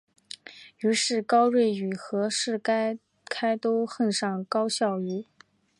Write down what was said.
于是高睿与和士开都恨上高孝瑜。